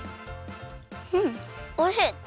うんおいしい。